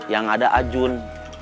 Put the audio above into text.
yang ada ajun